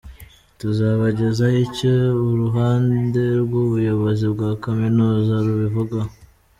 Tuzabagezaho icyo uruhande rw’ubuyobozi bwa Kaminuza rubivugaho.